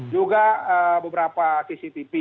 juga beberapa cctv